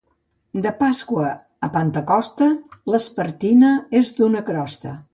De Pasqua a Pentecosta, l'espertina és d'una crosta.